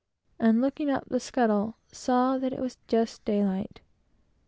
and looking up the scuttle, saw that it was just daylight.